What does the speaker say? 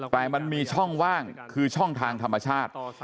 แต่มันมีช่องว่างคือช่องทางธรรมชาติ